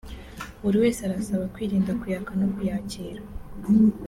Buri wese arasabwa kwirinda kuyaka no kuyakira